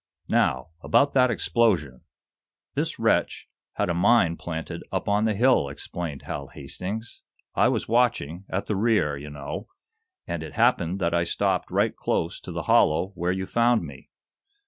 "Now, about that explosion!" "This wretch had a mine planted up on the hill," explained Hal Hastings. "I was watching, at the rear, you know, and it happened that I stopped right close to the hollow where you found me.